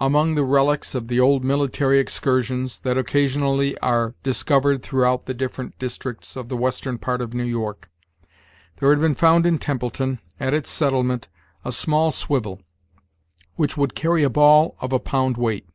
Among the relics of the old military excursions, that occasionally are discovered throughout the different districts of the western part of New York, there had been found in Templeton, at its settlement, a small swivel, which would carry a ball of a pound weight.